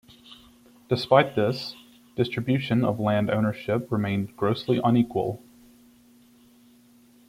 Despite this, distribution of land ownership remained grossly unequal.